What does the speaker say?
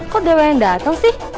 kok dewa yang datang sih